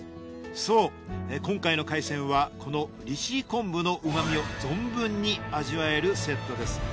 そう今回の海鮮はこの利尻昆布の旨味を存分に味わえるセットです。